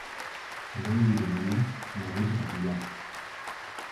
ενώ η Ειρηνούλα μαδούσε τα πουλιά.